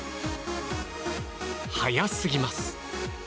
速すぎます。